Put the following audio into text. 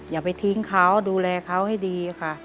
อย่าไปทิ้งเขาดูแลเขาให้ดีค่ะ